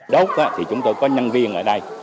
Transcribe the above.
đốt thì chúng tôi có nhân viên ở đây